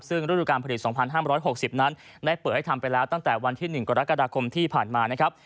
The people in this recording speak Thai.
ซึ่งฤดูการผลิต๒๕๖๐นั้นได้เปิดให้ทำไปแล้วตั้งแต่วันที่๑กรกฎาคมที่ผ่านมานะครับ